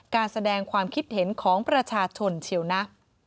การแสดงความคิดเห็นของประชาชนเชียวนะ